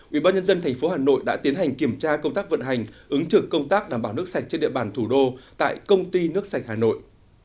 ubnd tp hà nội đã tiến hành kiểm tra công tác vận hành ứng trực công tác đảm bảo nước sạch trên địa bàn thủ đô tại công ty nước sạch hà nội